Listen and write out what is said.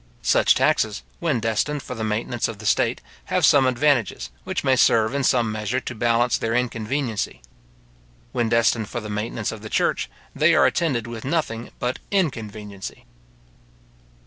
Such taxes, when destined for the maintenance of the state, have some advantages, which may serve in some measure to balance their inconveniency. When destined for the maintenance of the church, they are attended with nothing but inconveniency.